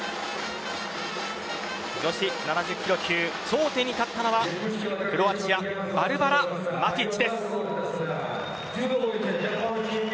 女子７０キロ級頂点に立ったのはクロアチアバルバラ・マティッチです。